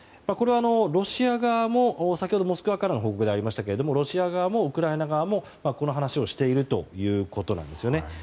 これはロシア側も先ほどモスクワからの報告でありましたがロシア側もウクライナ側もこの話をしているということです。